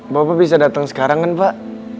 bapak bisa datang sekarang kan pak